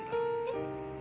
えっ？